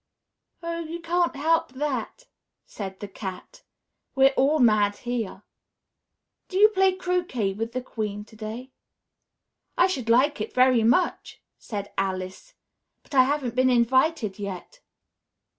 "Oh, you can't help that," said the Cat; "we're all mad here. Do you play croquet with the Queen to day?" "I should like it very much," said Alice, "but I haven't been invited yet."